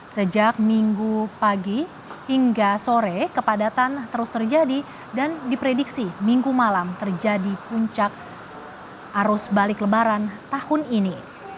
sejak minggu pagi hingga sore kepadatan terus terjadi dan diprediksi minggu malam terjadi puncak arus balik lebaran tahun ini